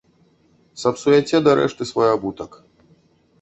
Сапсуяце дарэшты свой абутак.